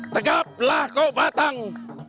tegaplah kau batang